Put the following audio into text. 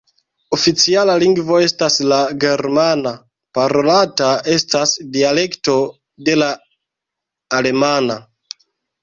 Oficiala lingvo estas la germana, parolata estas dialekto de la alemana.